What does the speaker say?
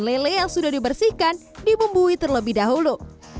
lele yang sudah dibersihkan dibumbui terlebih dahulu